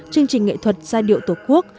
chương trình nghệ thuật giai điệu tổ quốc